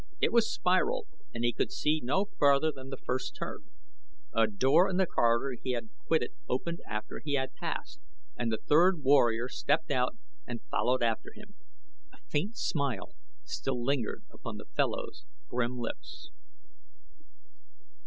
It was spiral and he could see no farther than the first turn. A door in the corridor he had quitted opened after he had passed, and the third warrior stepped out and followed after him. A faint smile still lingered upon the fellow's grim lips.